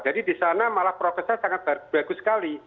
jadi di sana malah prokesnya sangat bagus sekali